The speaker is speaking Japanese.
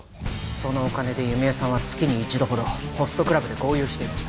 そのお金で弓江さんは月に一度ほどホストクラブで豪遊していました。